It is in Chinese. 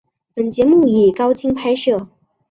本节目以高清拍摄。